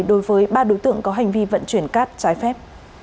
đối với ba đối tượng có hành vi vận chuyển cát trái phép